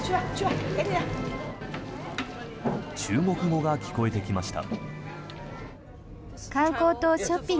中国語が聞こえてきました。